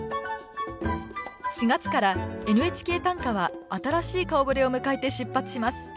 ４月から「ＮＨＫ短歌」は新しい顔ぶれを迎えて出発します。